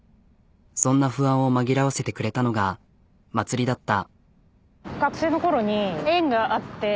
そんな不安を紛らわせてくれたのが祭りだった。